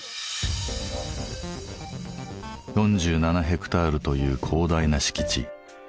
４７ヘクタールという広大な敷地。